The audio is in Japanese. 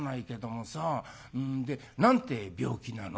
で何てえ病気なの？」。